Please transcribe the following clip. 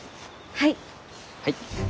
はい。